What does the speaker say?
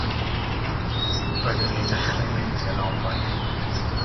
Roeddwn i yn dechrau mynd i anobaith.